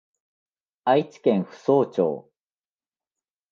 愛知県扶桑町